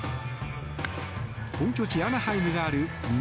本拠地アナハイムがある南